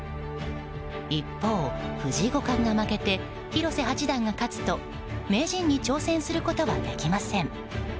一方、藤井五冠が負けて広瀬八段が勝つと名人に挑戦することはできません。